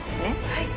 はい。